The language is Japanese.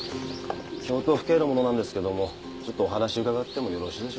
京都府警の者なんですけどもちょっとお話伺ってもよろしいでしょうか。